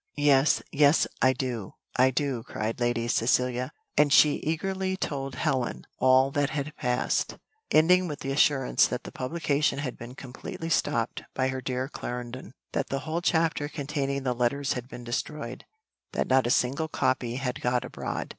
"Yes, yes, I do I do," cried Lady Cecilia, and she eagerly told Helen all that had passed, ending with the assurance that the publication had been completely stopped by her dear Clarendon; that the whole chapter containing the letters had been destroyed, that not a single copy had got abroad.